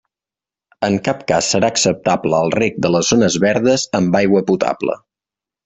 En cap cas serà acceptable el reg de les zones verdes amb aigua potable.